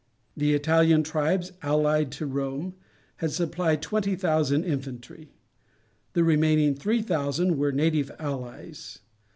The Italian tribes, allied to Rome, had supplied twenty thousand infantry; the remaining three thousand were native allies.